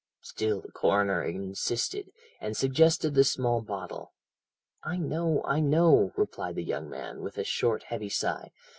"Still the coroner insisted, and suggested the small bottle. "'I know, I know,' replied the young man, with a short, heavy sigh.